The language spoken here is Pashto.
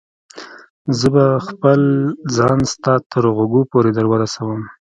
زه به خپل ځان ستا تر غوږو پورې در ورسوم.